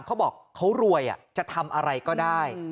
เขาบอกเขารวยจะทำอะไรก็ได้